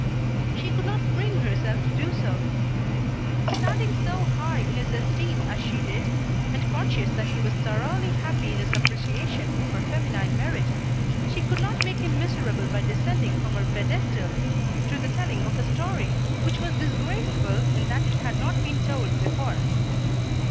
She could not bring herself to do so. Standing so high in his esteem as she did, and conscious that he was thoroughly happy in his appreciation of her feminine merit, she could not make him miserable by descending from her pedestal to the telling of a story, which was disgraceful in that it had not been told before.